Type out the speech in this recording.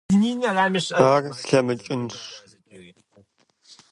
Ар слъэмыкӀынщ…